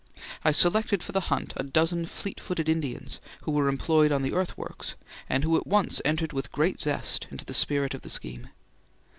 I selected for the hunt a dozen fleet footed Indians who were employed on the earth works, and who at once entered with great zest into the spirit of the scheme.